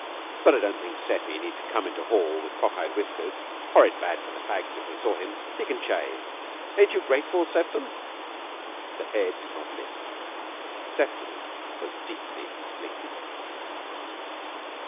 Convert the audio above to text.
"But I don't think Seffy need come into hall with cock eye whiskers. Horrid bad for the fags if they saw him. He can shave. Ain't you grateful, Sefton?" The head did not lift. Sefton was deeply asleep.